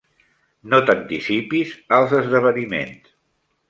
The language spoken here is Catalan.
No t'anticipis als esdeveniments.